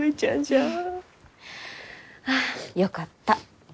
ああよかった。